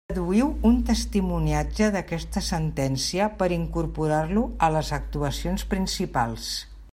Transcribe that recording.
Deduïu un testimoniatge d'aquesta sentència per incorporar-lo a les actuacions principals.